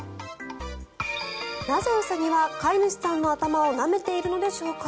なぜ、ウサギは飼い主さんの頭をなめているのでしょうか。